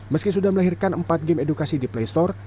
meski sudah melahirkan empat game edukasi di playstore